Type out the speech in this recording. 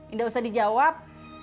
indah usah dijawab